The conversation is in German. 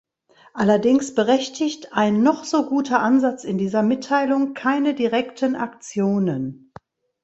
Allerdings berechtigt ein noch so guter Ansatz in dieser Mitteilung keine direkten Aktionen.